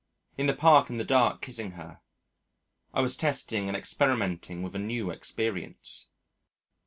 In the Park in the dark, kissing her. I was testing and experimenting with a new experience.